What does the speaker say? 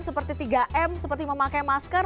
seperti tiga m seperti memakai masker